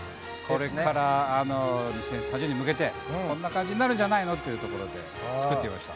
これから２０３０年に向けてこんな感じになるんじゃないの？というところで作ってみました。